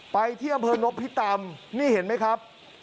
ไปที่อำเภอนพิตำนี่เห็นไหมครับ